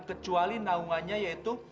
kecuali naungannya yaitu